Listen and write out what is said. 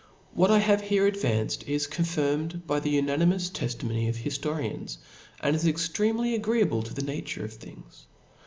What I have here advanced, is confirmed by the unanimous teitimony of hiftorians, and is ex tremely agreeable to the nature of things.